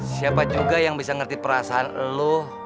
siapa juga yang bisa ngerti perasaan lu